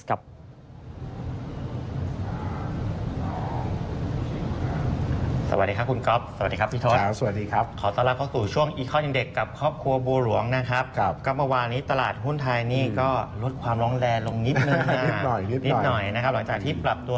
คืนหน่อยไหมคืนดาวน์โจนนี่ขึ้นไปแตกระดับสูงสุดอีกแล้ว